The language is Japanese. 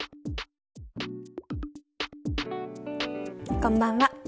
こんばんは。